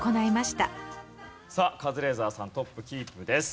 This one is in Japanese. さあカズレーザーさんトップキープです。